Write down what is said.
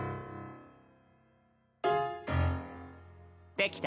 できた？